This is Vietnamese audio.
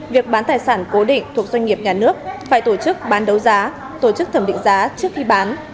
việc bán tài sản cố định thuộc doanh nghiệp nhà nước phải tổ chức bán đấu giá tổ chức thẩm định giá trước khi bán